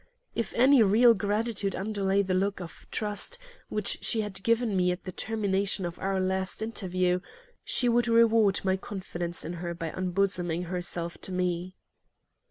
If any real gratitude underlay the look of trust which she had given me at the termination of our last interview, she would reward my confidence in her by unbosoming herself to me.